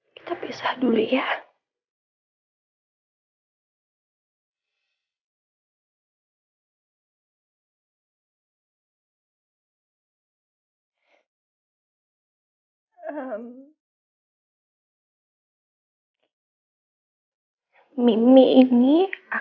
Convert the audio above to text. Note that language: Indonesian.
kita pisah dulu ya